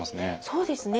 そうですね。